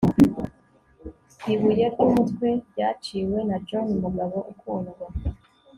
Ibuye ryumutwe ryaciwe na John Umugabo Ukundwa